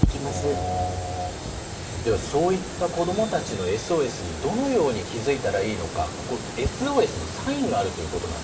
ではそういった子どもたちのＳＯＳにどのように気付いたらいいのかここＳＯＳのサインがあるということなんですね。